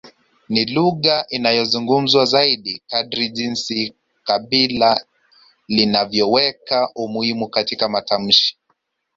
Ni lugha inayozungumzwa zaidi kadri jinsi kabila linavyoweka umuhimu katika matamshi